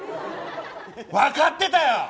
分かってたよ！